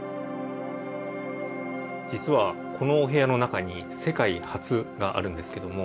実はこのお部屋の中に世界初があるんですけども。